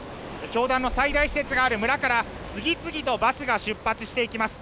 教団の最大施設がある村から次々とバスが出発していきます。